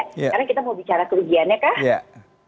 sekarang kita mau bicara kelebihannya kak